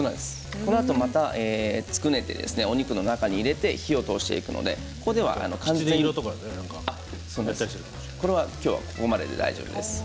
このあとつくね、お肉の中に入れてまた火を通していくのでここは完全に火を通さなくても今日はここまでで大丈夫です